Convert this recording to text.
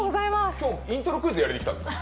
今日、イントロクイズやりに来たんですか？